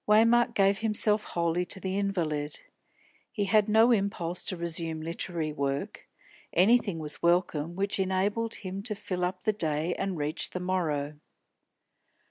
Waymark gave himself wholly to the invalid. He had no impulse to resume literary work; anything was welcome which enabled him to fill up the day and reach the morrow.